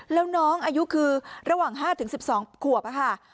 แล้วน้องอายุคือระหว่าง๕๑๒ขวบค่ะ